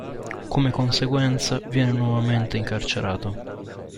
Come conseguenza viene nuovamente incarcerato.